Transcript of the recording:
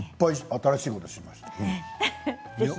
新しいことを知りました。